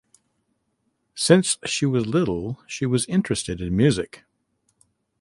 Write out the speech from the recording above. Since she was little she was interested in music.